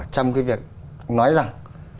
trong cái việc nói rằng